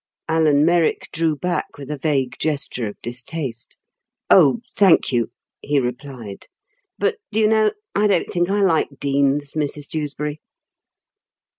Alan Merrick drew back with a vague gesture of distaste. "Oh, thank you," he replied; "but, do you know, I don't think I like deans, Mrs Dewsbury."